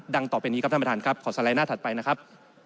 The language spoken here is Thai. ดังต่อไปนี้ครับท่านประธานขอสลายหน้าถัดไปนะครับ